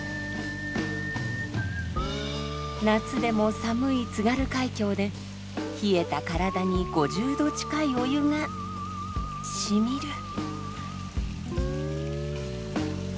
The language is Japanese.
夏でも寒い津軽海峡で冷えた体に５０度近いお湯がしみる。